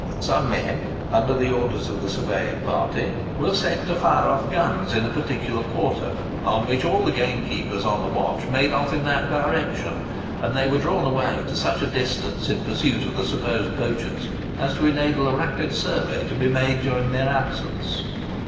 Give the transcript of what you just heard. Some men, under the orders of the surveying party, were set to fire off guns in a particular quarter; on which all the game keepers on the watch made off in that direction, and they were drawn away to such a distance in pursuit of the supposed poachers, as to enable a rapid survey to be made during their absence.